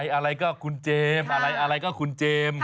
อะไรก็คุณเจมส์อะไรอะไรก็คุณเจมส์